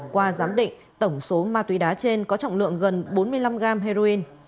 qua giám định tổng số ma túy đá trên có trọng lượng gần bốn mươi năm gram heroin